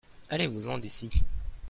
allez-vous en d'ici.